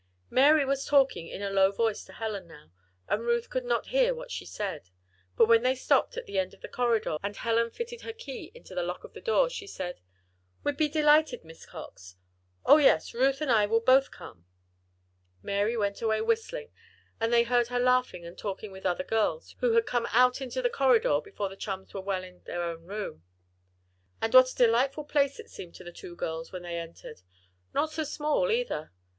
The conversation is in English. Mary was talking in a low voice to Helen now, and Ruth could not hear what she said. But when they stopped at the end of the corridor, and Helen fitted her key into the lock of the door, she said: "We'd be delighted, Miss Cox. Oh, yes! Ruth and I will both come." Mary went away whistling and they heard her laughing and talking with other girls who had come out into the corridor before the chums were well in their own room. And what a delightful place it seemed to the two girls, when they entered! Not so small, either.